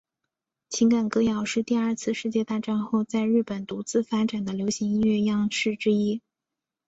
情感歌谣是第二次世界大战后在日本独自发展的流行音乐样式之一。